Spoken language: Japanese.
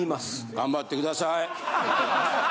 頑張ってください。